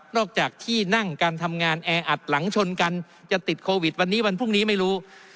จากที่นั่งการทำงานแออัดหลังชนกันจะติดโควิดวันนี้วันพรุ่งนี้ไม่รู้